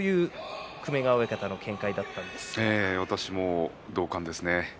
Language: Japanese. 私も同感です。